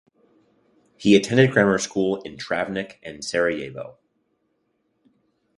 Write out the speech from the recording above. He attended grammar school in Travnik and Sarajevo.